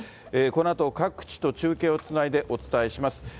このあと各地と中継をつないで、お伝えします。